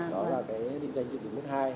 đó là cái định danh định danh mức hai